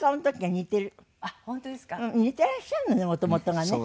似てらっしゃるのねもともとがね。